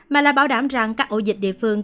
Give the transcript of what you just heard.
mà là bảo đảm rằng các ổ dịch địa phương